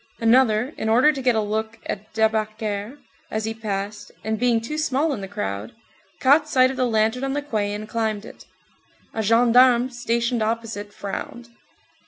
Another, in order to get a look at Debacker as he passed, and being too small in the crowd, caught sight of the lantern on the quay and climbed it. A gendarme stationed opposite frowned.